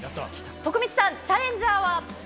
徳光さん、チャレンジャーは。